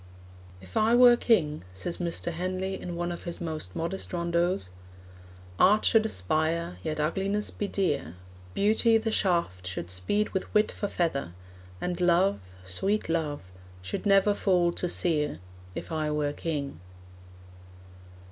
'If I were king,' says Mr. Henley, in one of his most modest rondeaus, 'Art should aspire, yet ugliness be dear; Beauty, the shaft, should speed with wit for feather; And love, sweet love, should never fall to sere, If I were king.'